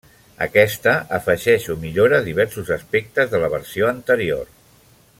Aquesta afegeix o millora diversos aspectes de la versió anterior.